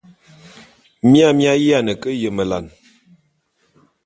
Mia mi aye ke yemelane.